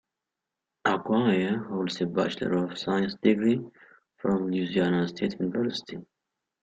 Aguirre holds a Bachelor of Science degree from Louisiana State University.